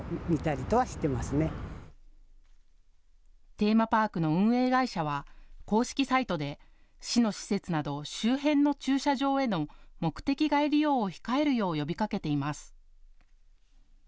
テーマパークの運営会社は公式サイトで市の施設など周辺の駐車場への目的外利用を控えるよう呼びかけています。